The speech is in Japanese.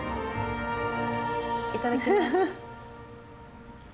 いただきます！